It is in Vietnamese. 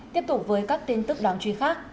tiếp tục với các tin tức đoán truy khác